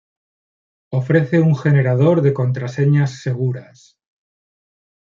ofrece un generador de contraseñas seguras